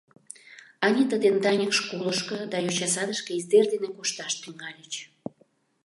Анита ден Даник школышко да йочасадышке издер дене кошташ тӱҥальыч.